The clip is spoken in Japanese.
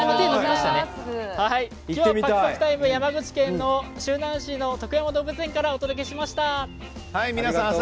今日はパクパクタイム山口県の周南市徳山動物園からお届けしました。